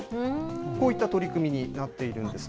こういった取り組みになっているんです。